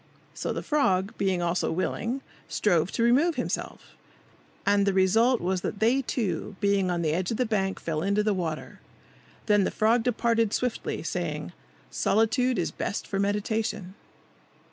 So the frog, being also willing, strove to remove himself, and the result was that they two, being on the edge of the bank, fell into the water. Then the frog departed swiftly, saying, "Solitude is best for meditation."